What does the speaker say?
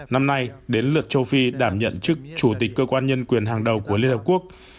năm nay đến lượt châu phi đảm nhận chức chủ tịch cơ quan nhân quyền hàng đầu của liên hợp quốc